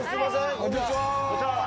こんにちは